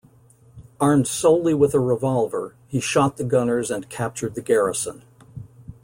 Armed solely with a revolver, he shot the gunners and captured the garrison.